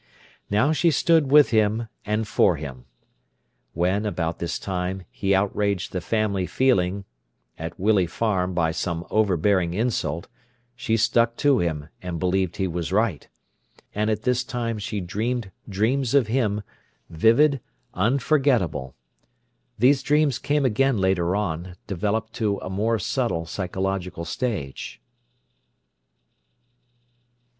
Now she stood with him and for him. When, about this time, he outraged the family feeling at Willey Farm by some overbearing insult, she stuck to him, and believed he was right. And at this time she dreamed dreams of him, vivid, unforgettable. These dreams came again later on, developed to a more subtle psychological stage.